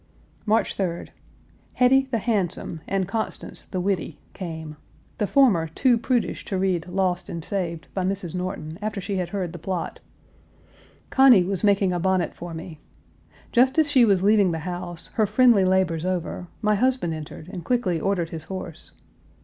March 3d. Hetty, the handsome, and Constance, the witty, came; the former too prudish to read Lost and Saved, by Mrs. Norton, after she had heard the plot. Conny was making a bonnet for me. Just as she was leaving the house, her friendly labors over, my husband entered, and quickly ordered his horse.